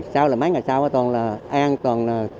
sau mấy ngày sau toàn là an toàn là